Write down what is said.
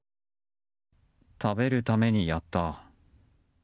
食べるためにやった。